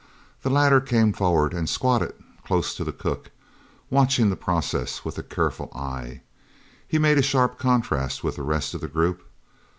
The latter came forward, and squatted close to the cook, watching the process with a careful eye. He made a sharp contrast with the rest of the group.